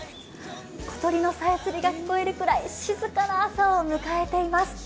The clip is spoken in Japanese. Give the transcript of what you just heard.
小鳥のさえずりが聞こえるくらい静かな朝を迎えています。